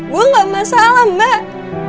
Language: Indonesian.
gue gak masalah mbak